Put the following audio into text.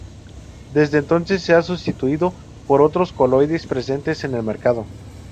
Desde entonces se ha sustituido por otros coloides presentes en el mercado.